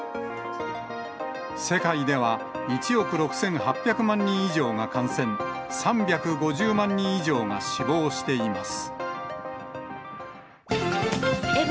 世界では１億６８００万人以上が感染、３５０万人以上が死亡しています。